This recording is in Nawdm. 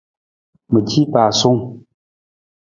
Mi ci pasuu.